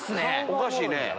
おかしいね。